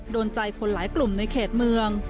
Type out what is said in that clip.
โดนใจคนหลายกลุ่มในเขตเมือง